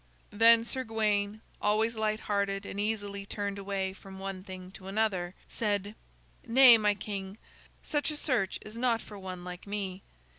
Then Sir Gawain, always light hearted and easily turned away from one thing to another, said: "Nay, my king, such a search is not for one like me.